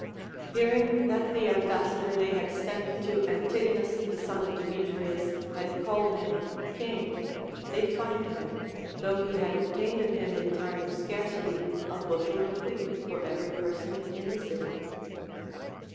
Hearing that the ambassador they had sent to LACONIC APOPHTHEGMS. 435 Antigonus the son of Demetrius had called him king, they fined him, though he had obtained of him in a time of scarcity a bushel of wheat for every person in the city.